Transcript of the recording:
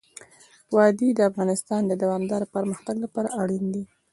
وادي د افغانستان د دوامداره پرمختګ لپاره اړین دي.